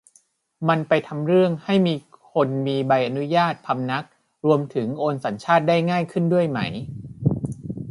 มันไปทำเรื่องให้คนมีใบอนุญาติพำนัก รวมถึงโอนสัญชาติได้ง่ายขึ้นด้วยได้ไหม